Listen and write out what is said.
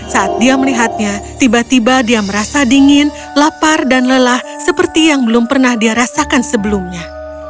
saat dia melihatnya tiba tiba dia merasa dingin lapar dan lelah seperti yang belum pernah dia rasakan sebelumnya